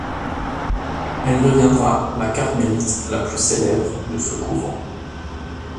Elle deviendra la carmélite la plus célèbre de ce couvent.